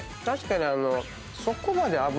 確かにそこまで。